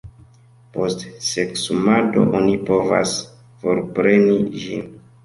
Post seksumado oni povas forpreni ĝin.